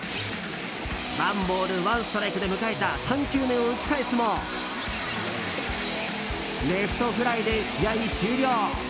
ワンボールワンストライクで迎えた３球目を打ち返すもレフトフライで試合終了。